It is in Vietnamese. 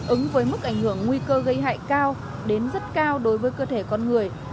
ứng với mức ảnh hưởng nguy cơ gây hại cao đến rất cao đối với cơ thể con người